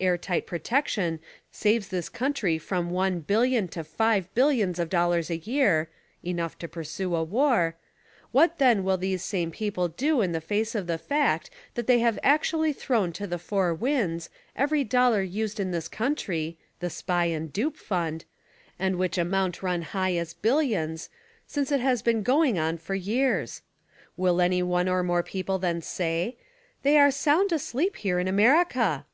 air tight protection saves this country from one BILLION to FIVE BILLIONS of dollars a year (enough to pursue a war)— what then will those same people do in the face of the fact that they have actually thrown to the four winds, every dollar used in this country (the Spy and Dupe fund) and which amount run high as billions— since it has been going on for years? Will any one or more people then say: "They are sound asleep here in America?"